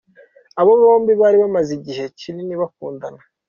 Aba bombi bari bamaze igihe kinini bakundana.